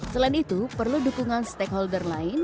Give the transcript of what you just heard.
selain itu perlu dukungan stakeholder lain